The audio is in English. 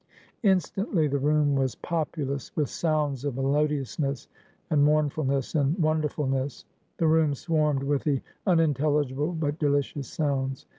Instantly the room was populous with sounds of melodiousness, and mournfulness, and wonderfulness; the room swarmed with the unintelligible but delicious sounds.